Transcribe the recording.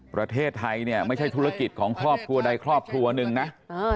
ประเทศไทยเนี่ยไม่ใช่ธุรกิจของครอบครัวใดครอบครัวหนึ่งนะ